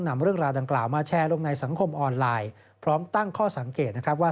นำเรื่องราวดังกล่าวมาแชร์ลงในสังคมออนไลน์พร้อมตั้งข้อสังเกตนะครับว่า